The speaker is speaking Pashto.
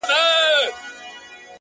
بيا به يې خپه اشـــــــــــــنا _